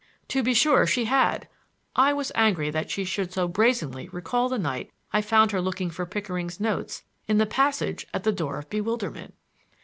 To be sure she had! I was angry that she should so brazenly recall the night I found her looking for Pickering's notes in the passage at the Door of Bewilderment!